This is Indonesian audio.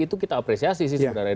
itu kita apresiasi sih